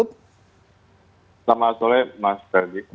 selamat sore mas ferdi